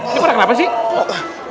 ini pada kenapa sih